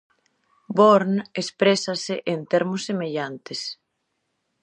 Born exprésase en termos semellantes.